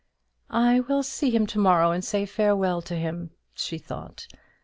"I will see him to morrow and say farewell to him," she thought.